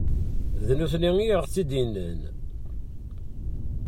D nutni i aɣ-t-id-innan.